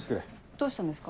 どうしたんですか？